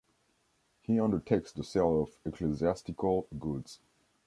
He undertakes the sale of ecclesiastical goods.